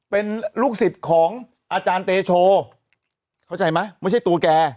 เป็นลูกศิษย์ของอาจารย์เตโชเข้าใจไหมไม่ใช่ตัวแก